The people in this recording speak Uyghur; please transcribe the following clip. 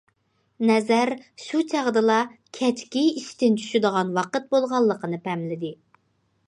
نەزەر شۇ چاغدىلا كەچكى ئىشتىن چۈشىدىغان ۋاقىت بولغانلىقىنى پەملىدى.